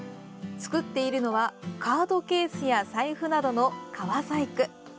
作っているのはカードケースや財布などの革細工。